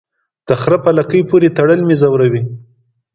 د خره په لکۍ پوري تړل مې زوروي.